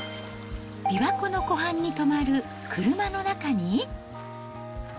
琵琶湖の湖畔に止まる車の中に。